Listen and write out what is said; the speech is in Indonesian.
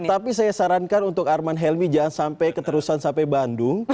tapi saya sarankan untuk arman helmi jangan sampai keterusan sampai bandung